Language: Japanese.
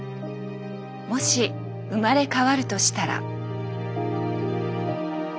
もし生まれ変わるとしたら？